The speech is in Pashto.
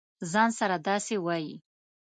ځـان سره داسې وایې.